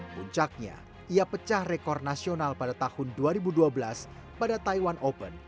puncaknya ia pecah rekor nasional pada tahun dua ribu dua belas pada taiwan open